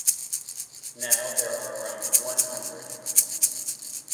Now there are around one hundred.